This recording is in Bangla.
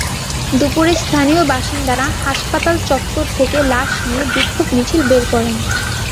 দুপুরে স্থানীয় বাসিন্দারা হাসপাতাল চত্বর থেকে লাশ নিয়ে বিক্ষোভ মিছিল বের করেন।